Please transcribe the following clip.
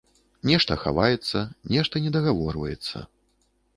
Нешта хаваецца, нешта недагаворваецца.